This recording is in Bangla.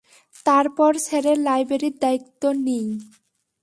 তারপর স্যারের লাইব্রেরির দায়িত্ব নিই।